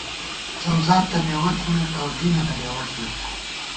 زؤزات تہ مېوَہ تھِمېت اؤ دینَنہ ڈېوَہ تھِمېت